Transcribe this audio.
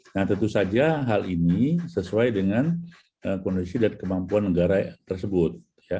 nah tentu saja hal ini sesuai dengan kondisi dan kemampuan negara tersebut